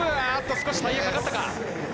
少しタイヤが上がったか。